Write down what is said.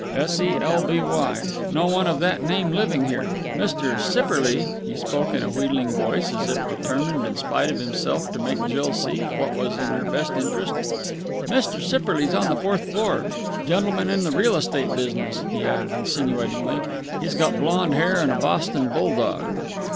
"S e l b y. No one of that name living here. Mr. Sipperley " he spoke in a wheedling voice, as if determined, in spite of herself, to make Jill see what was in her best interests "Mr. Sipperley's on the fourth floor. Gentleman in the real estate business," he added insinuatingly. "He's got blond hair and a Boston bull dog."